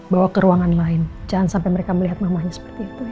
bawa ke ruangan lain jangan sampai mereka melihat mamanya seperti itu